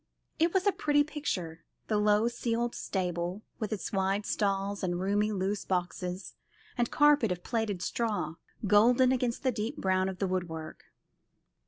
It was a pretty picture, the old low ceiled stable, with its wide stalls and roomy loose boxes and carpet of plaited straw, golden against the deep brown of the woodwork.